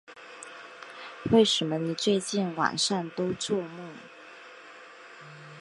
为什么你最近晚上都作梦